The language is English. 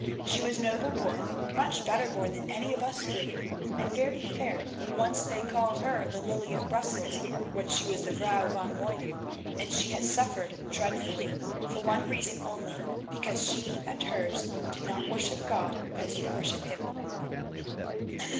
She was noble born, much better born than any of us three, and very fair—once they called her the Lily of Brussels—when she was the Vrouw van Muyden, and she has suffered dreadfully, for one reason only, because she and hers did not worship God as you worship Him."